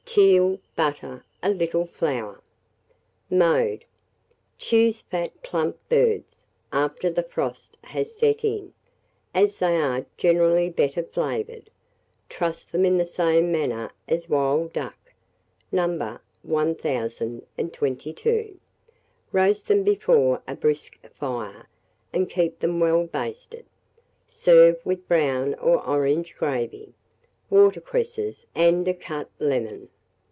Teal, butter, a little flour. Mode. Choose fat plump birds, after the frost has set in, as they are generally better flavoured; truss them in the same manner as wild duck, No. 1022; roast them before a brisk fire, and keep them well basted. Serve with brown or orange gravy, water cresses, and a cut lemon.